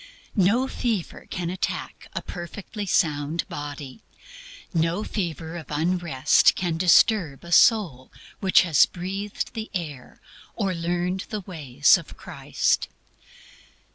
No fever can attack a perfectly sound body; no fever of unrest can disturb a soul which has breathed the air or learned the ways of Christ.